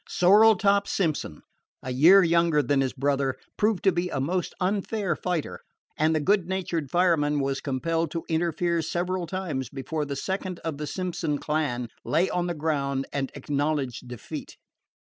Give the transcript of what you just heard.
Sorrel top Simpson, a year younger than his brother, proved to be a most unfair fighter, and the good natured fireman was compelled to interfere several times before the second of the Simpson clan lay on the ground and acknowledged defeat.